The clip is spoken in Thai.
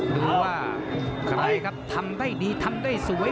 ดูว่าใครครับทำได้ดีทำได้สวย